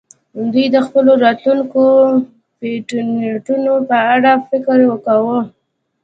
دوی د خپلو راتلونکو پیټینټونو په اړه فکر کاوه